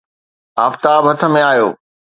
آفتاب هٿ ۾ آيو